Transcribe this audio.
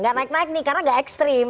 gak naik naik nih karena gak ekstrim